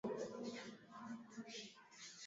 wanatakiwa kujiandaa katika wakati wa amani na vita